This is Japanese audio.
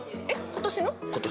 今年の。